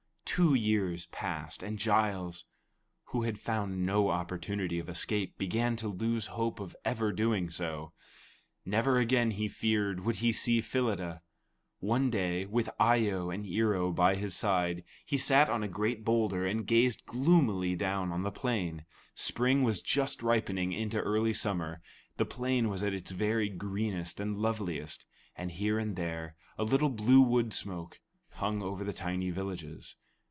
'" Two years passed, and Giles, who had found no opportunity of escape, began to lose hope of doing so. Never again, he feared, would he see Phyllida. One day, with Eye o and Ear o by his side, he sat on a great boulder and gazed gloomily down on the plain. Spring was just ripening into early summer, the plain was at its very greenest and loveliest, and here and there a little blue wood smoke hung over the tiny villages.